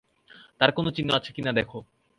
তার কোন চিহ্ন আছে কিনা দেখো!